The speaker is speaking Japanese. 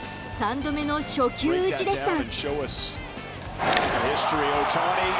３度目の初球打ちでした。